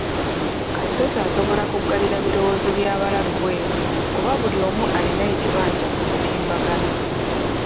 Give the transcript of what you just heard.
Kati tokyasobola kuggalira birowoozo bya balalu bweru kuba buli omu alina ekibanja ku mutimbagano